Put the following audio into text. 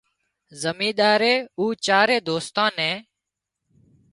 امينۮارئي او چارئي دوستان نين